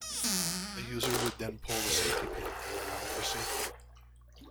The user would then pull the safety pin and run for safety.